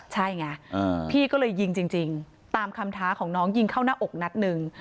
ใช่ไงพี่ก็เลยยิงจริงตามคำท้าของน้องยิงเข้าหน้าอกนัดหนึ่ง